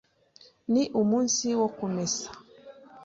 Ni umunsi wo kumesa.